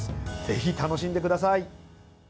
ぜひ楽しんでください。